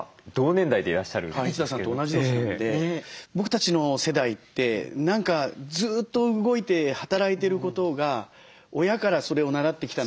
一田さんと同じ年なんで僕たちの世代って何かずっと動いて働いてることが親からそれを習ってきたので。